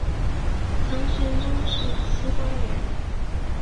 唐玄宗时期官员。